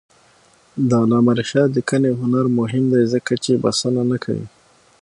د علامه رشاد لیکنی هنر مهم دی ځکه چې بسنه نه کوي.